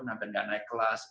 sampai nggak naik kelas